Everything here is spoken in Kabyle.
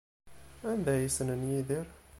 Anda ay ssnen Yidir?